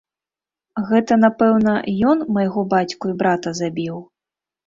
Гэта, напэўна, ён майго бацьку і брата забіў?